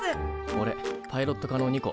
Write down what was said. おれパイロット科のニコ。